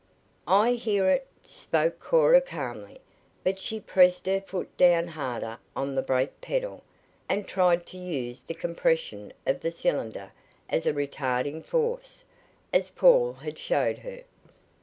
"I hear it," spoke Cora calmly, but she pressed her foot down harder on the brake pedal, and tried to use the compression of the cylinders as a retarding force, as Paul had showed her.